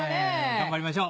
頑張りましょう。